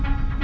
oh ini ada